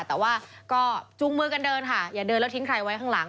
แต่ว่าก็จูงมือกันเดินค่ะอย่าเดินแล้วทิ้งใครไว้ข้างหลัง